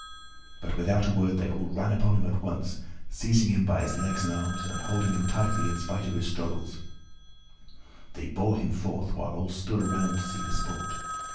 But without a word they all ran upon him at once, seizing him by his legs and arms and holding him tightly in spite of his struggles, and they bore him forth while all stood around to see the sport.